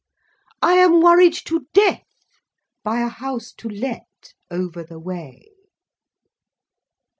I am worried to death by a House to Let, over the way."